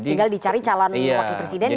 tinggal dicari calon wakil presidennya